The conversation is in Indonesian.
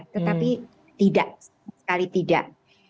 tapi tidak sekali tidak